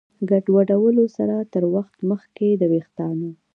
ګډوډولو سره تر وخت مخکې د ویښتانو